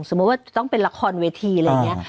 ว่าจะต้องเป็นละครเวทีอะไรอย่างนี้